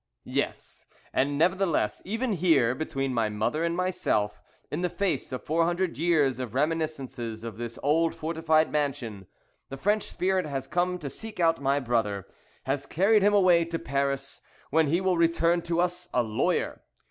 "Yes, and nevertheless, even here, between my mother and myself, in the face of four hundred years of reminiscences of this old fortified mansion, the French spirit has come to seek out my brother has carried him away to Paris, when he will return to us a lawyer.